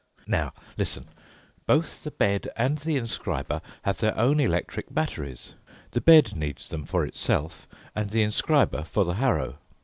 "Now, listen. Both the bed and the inscriber have their own electric batteries. The bed needs them for itself, and the inscriber for the harrow.